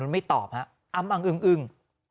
ไม่ตอบฮะอำอังอึง